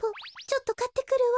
ちょっとかってくるわ。